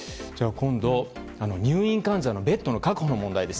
今度入院患者のベッドの確保の問題です。